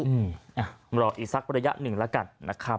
อืมรออีกสักประยะ๑ละกัดนะครับ